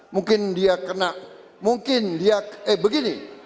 mungkin dia kena mungkin dia eh begini